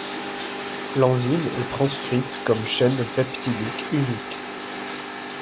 L'enzyme est transcrite comme chaîne peptidique unique.